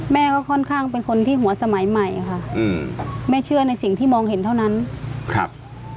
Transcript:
แม่ก็ค่อนข้างเป็นคนที่หัวสมัยใหม่ค่ะอืมแม่เชื่อในสิ่งที่มองเห็นเท่านั้นครับ